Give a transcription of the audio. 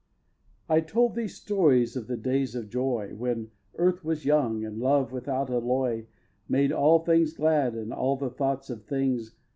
xi. I told thee stories of the days of joy When earth was young, and love without alloy Made all things glad and all the thoughts of things.